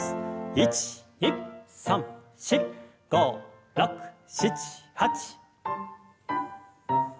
１２３４５６７８。